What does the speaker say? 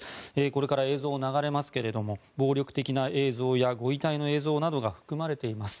これから映像が流れますけれども暴力的な映像やご遺体の映像などが含まれています。